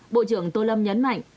bộ trưởng tô lâm nhấn mạnh